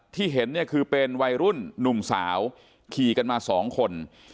ที่เห็นคือเป็นวัยรุ่นนุ่งสาวขี่กันมา๒คน